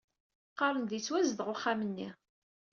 Qqaren-d yettwazdeɣ uxxam-nni.